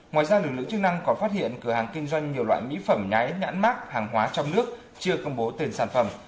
ngoài ra lực lượng chức năng còn phát hiện cửa hàng kinh doanh nhiều loại mỹ phẩm nhái nhãn mát hàng hóa trong nước chưa công bố tên sản phẩm